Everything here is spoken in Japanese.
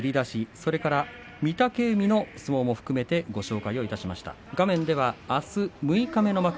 それから御嶽海の相撲も含めてご紹介いたしました。